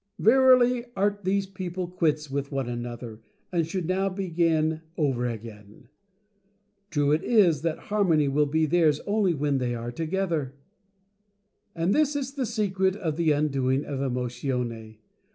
Verily, art these people quits with one another and should now begin over again. True it is that Harmony will be theirs only when they Are To gether. THE SECRET OF THE UNDOING. "And this is the Secret of the undoing of Emo tione.